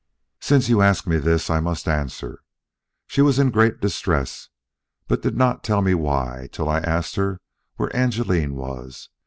"Since you ask me this, I must answer. She was in great distress, but did not tell me why, till I asked her where Angeline was.